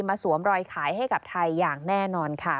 สวมรอยขายให้กับไทยอย่างแน่นอนค่ะ